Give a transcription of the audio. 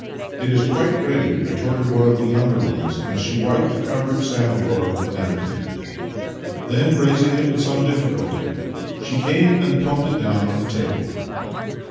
"" It is quite ready," retorted one of the younger Master and Man 27 ones as she wiped the covered samovar with a napkin. Then, raising it with some difficulty, she came and plumped it dowTi on the table.